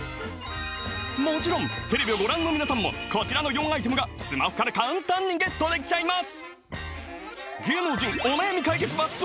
もちろんテレビをご覧の皆さんもこちらの４アイテムがスマホから簡単にゲットできちゃいます